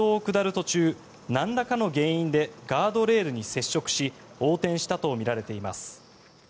途中なんらかの原因でガードレールに接触し横転したとみられています。